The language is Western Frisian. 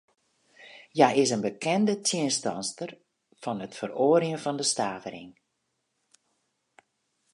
Hja is in bekende tsjinstanster fan it feroarjen fan de stavering.